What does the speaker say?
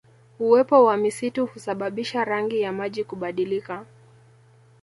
Uwepo wa misitu husababisha rangi ya maji kubadilika